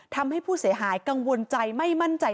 ทำให้ผู้เสียหายกังวลใจไม่มั่นใจ